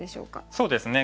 そうですね。